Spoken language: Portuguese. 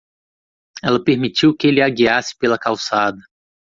Ela permitiu que ele a guiasse pela calçada.